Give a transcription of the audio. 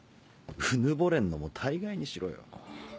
うぬぼれんのも大概にしろよ。